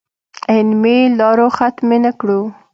علمي لارو ختمې نه کړو.